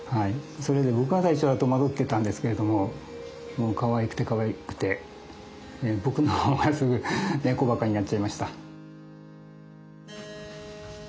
それで僕は最初は戸惑ってたんですけれどももうかわいくてかわいくて僕の方が猫ばかになっちゃいました。